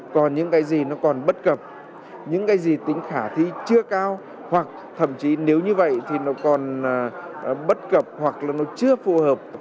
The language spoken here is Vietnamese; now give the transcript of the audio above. còn những cái gì nó còn bất cập những cái gì tính khả thi chưa cao hoặc thậm chí nếu như vậy thì nó còn bất cập hoặc là nó chưa phù hợp